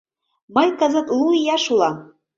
Мый кызыт лу ияш улам.